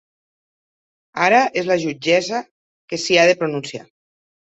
Ara és la jutgessa que s’hi ha de pronunciar.